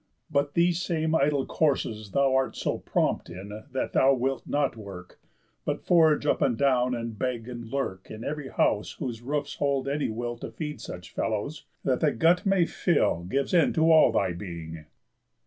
But these same idle courses Thou art so prompt in that thou wilt not work, But forage up and down, and beg, and lurk In ev'ry house whose roofs hold any will To feed such fellows. That thy gut may fill, Gives end to all thy being."